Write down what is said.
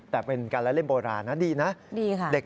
แต่เป็นการละเล่นโบราณนะดีนะดีค่ะ